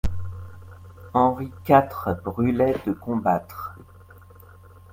Henri quatre brûlait de combattre.